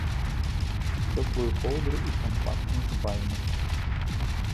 Цёплую коўдру і кампактны спальнік.